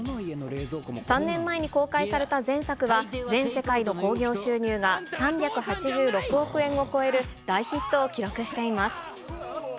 ３年前に公開された前作は、全世界の興行収入が３８６億円を超える大ヒットを記録しています。